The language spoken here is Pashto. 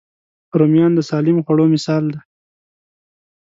رومیان د سالم خوړو مثال دی